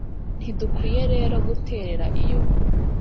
ntidukwiye rero guterera iyo;